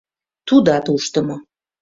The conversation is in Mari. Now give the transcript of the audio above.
— Тудат ушдымо...